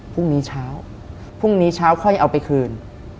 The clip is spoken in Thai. พรุ่งนี้เช้าพรุ่งนี้เช้าค่อยเอาไปคืน